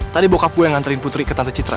tadi bokap gue yang nganterin putri ke tante citra